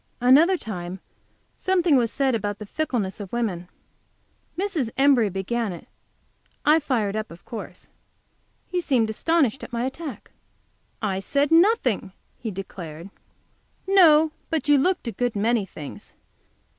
Another time something was said about the fickleness of women. Mrs. Embury began it. I fired up, of course. He seemed astonished at my attack. "I said nothing," he declared. "No, but you looked a good many things.